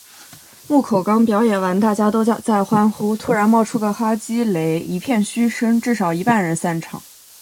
木口刚表演完大伙都在欢呼，突然冒出个哈基雷，一片嘘声，至少一半人散场